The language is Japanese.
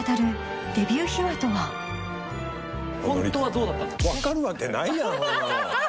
・ホントはどうだったんですか？